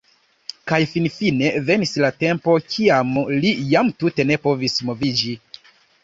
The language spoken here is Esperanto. Kaj finfine venis la tempo, kiam li jam tute ne povis moviĝi.